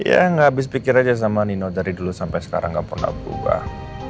ya nggak habis pikir aja sama nino dari dulu sampai sekarang nggak pernah berubah